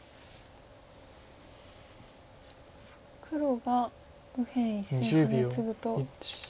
黒が右辺１線ハネツグと。